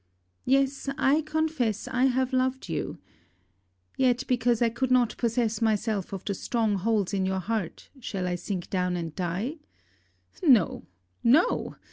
Yes, I confess I have loved you! yet, because I could not possess myself of the strong holds in your heart, shall I sink down and die? No! no!